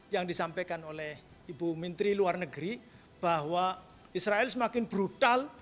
yang disampaikan oleh ibu menteri luar negeri bahwa israel semakin brutal